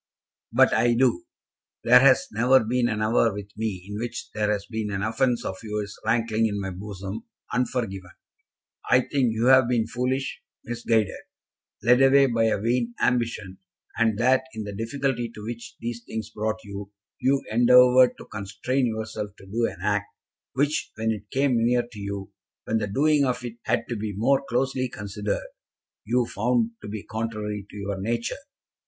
"But I do. There has never been an hour with me in which there has been an offence of yours rankling in my bosom unforgiven. I think you have been foolish, misguided, led away by a vain ambition, and that in the difficulty to which these things brought you, you endeavoured to constrain yourself to do an act, which, when it came near to you, when the doing of it had to be more closely considered, you found to be contrary to your nature."